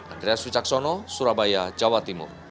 andreas wicaksono surabaya jawa timur